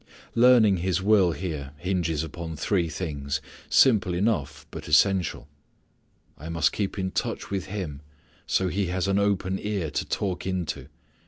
Learning His will here hinges upon three things, simple enough but essential. I must keep in touch with Him so He has an open ear to talk into.